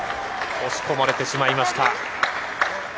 押し込まれてしまいました。